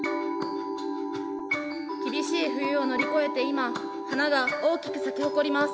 厳しい冬を乗り越えて今花が大きく咲き誇ります。